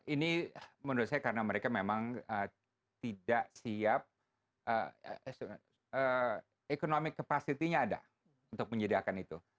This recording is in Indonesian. ini menurut saya karena mereka memang tidak siap economic capacity nya ada untuk menyediakan itu